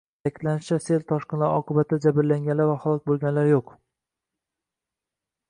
Ta’kidlanishicha, sel toshqinlari oqibatida jabrlangan va halok bo‘lganlar yo‘q